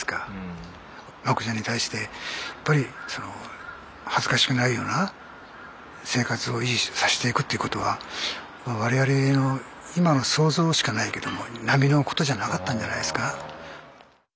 マコちゃんに対してやっぱりその恥ずかしくないような生活を維持させていくということは我々の今の想像しかないけども並のことじゃなかったんじゃないですか。